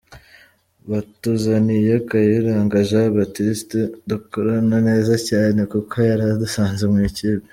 Batuzaniye Kayiranga Jean Baptiste dukorana neza cyane kuko yari adusanze mu ikipe.